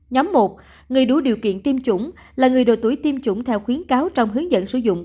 nhóm một người đủ điều kiện tiêm chủng là người đồ tuổi tiêm chủng theo khuyến cáo trong hướng dẫn sử dụng